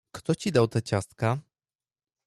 — Kto ci dał te ciastka?